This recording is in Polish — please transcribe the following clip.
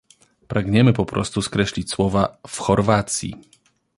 Pragniemy po prostu skreślić słowa "w Chorwacji"